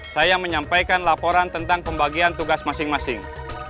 saya menyampaikan laporan tentang pembagian tugas masing masing